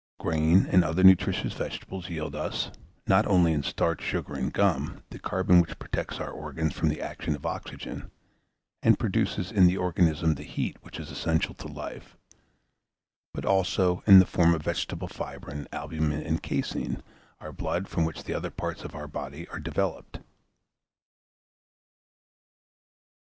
Grain and other nutritious vegetables yield us, not only in starch, sugar, and gum, the carbon which protects our organs from the action of oxygen, and produces in the organism the heat which is essential to life, but also in the form of vegetable fibrine, albumen, and caseine, our blood, from which the other parts of our body are developed.